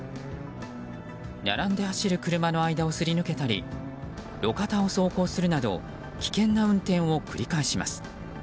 並んで走る車の間をすり抜けたり路肩を走行するなど危険な運転を繰り返します。